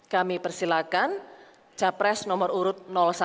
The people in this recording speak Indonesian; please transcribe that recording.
kami persilakan capres nomor urut satu